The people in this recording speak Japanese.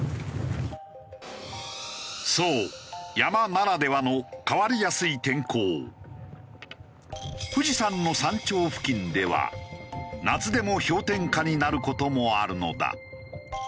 そう山ならではの富士山の山頂付近では夏でも氷点下になる事もあるのだ。